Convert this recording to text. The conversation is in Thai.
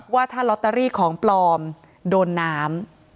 ว่าถ้าลอตเตอรี่ของปลอมโดนน้ำ